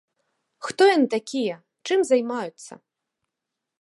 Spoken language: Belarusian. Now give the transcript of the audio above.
Хто яны такія, чым займаюцца?